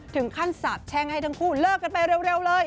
ถึงขั้นสัดแช่งให้ทั้งคู่เลิกกันไปเร็วเลย